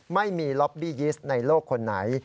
ไม่มีล็อบบี้ยิสต์ในโลกคนไหน